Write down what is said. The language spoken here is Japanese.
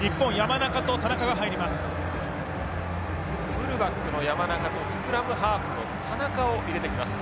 フルバックの山中とスクラムハーフの田中を入れてきます。